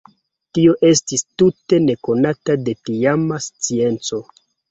Tio estis tute nekonata de tiama scienco.